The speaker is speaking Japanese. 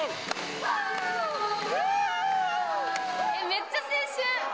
めっちゃ青春！